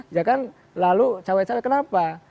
ya kan lalu cawe cawe kenapa